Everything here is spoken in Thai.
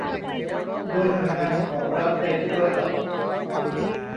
โดยหน่วยงานของรัฐในทุกระดับ